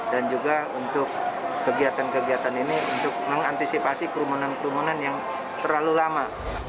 dan juga untuk kegiatan kegiatan ini untuk mengantisipasi kerumunan kerumunan yang terlalu lama